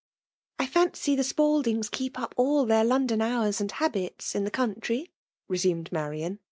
" I fancy the Spaldings keep up all ihtft London hours and habits in the countiyT' tfe sumed Marian.